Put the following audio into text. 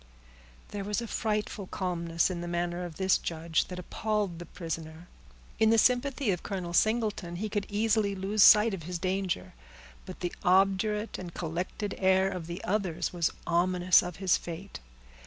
There was a frightful calmness in the manner of this judge that appalled the prisoner. In the sympathy of Colonel Singleton, he could easily lose sight of his danger; but the obdurate and collected air of the others was ominous of his fate.